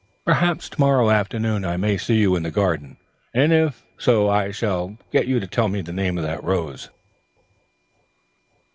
Perhaps to morrow afternoon I may see you in the garden, and if so I shall get you to tell me the name of that rose."